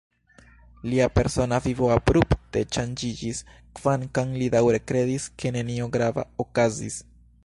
Lia persona vivo abrupte ŝanĝiĝis, kvankam li daŭre kredis, ke nenio grava okazis.